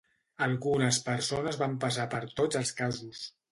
Algunes persones van passar per tots els casos.